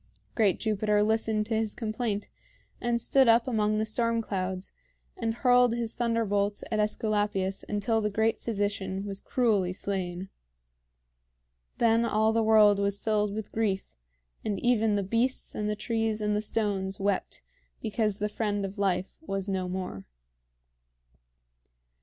Great Jupiter listened to his complaint, and stood up among the storm clouds, and hurled his thunderbolts at AEsculapius until the great physician was cruelly slain. Then all the world was filled with grief, and even the beasts and the trees and the stones wept because the friend of life was no more.